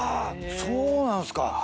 そうなんすか。